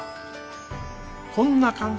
こんな感じだね